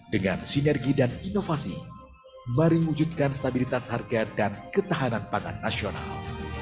dengan sinergi dan inovasi mariwujudkan stabilitas harga dan ketahanan pangan nasional